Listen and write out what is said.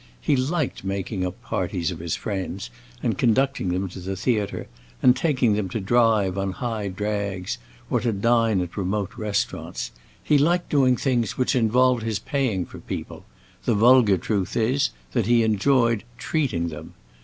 He liked making up parties of his friends and conducting them to the theatre, and taking them to drive on high drags or to dine at remote restaurants. He liked doing things which involved his paying for people; the vulgar truth is that he enjoyed "treating" them.